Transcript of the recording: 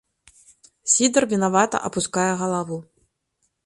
Сідар вінавата апускае галаву.